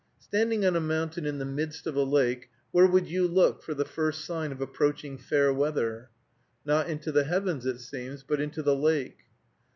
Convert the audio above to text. Standing on a mountain in the midst of a lake, where would you look for the first sign of approaching fair weather? Not into the heavens, it seems, but into the lake.